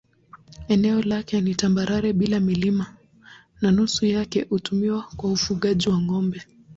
Eneo lake ni tambarare bila milima na nusu yake hutumiwa kwa ufugaji wa ng'ombe.